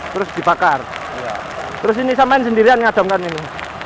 terus dibakar terus ini saya main sendirian ngadomkan ini